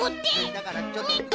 だからちょっと。